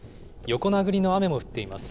横殴りの雨も降っています。